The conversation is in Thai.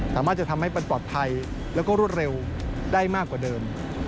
สามารถจะทำให้มันปลอดภัยแล้วก็รวดเร็วได้มากกว่าเดิม